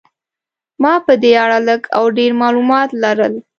ما په دې اړه لږ او ډېر معلومات لرل.